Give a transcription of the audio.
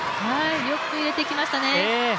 よく入れてきましたね。